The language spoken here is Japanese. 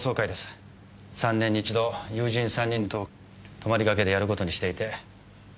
３年に一度友人３人と泊りがけでやることにしていて。